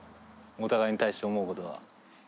お互いに対して思うことは？